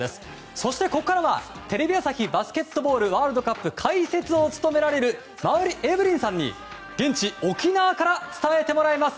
そしてここからはテレビ朝日バスケットボールワールドカップの解説を務められる馬瓜エブリンさんに現地・沖縄から伝えてもらいます。